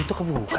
itu kebuka ya